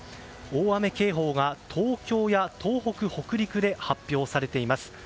大雨警報が東京や東北、北陸で発表されています。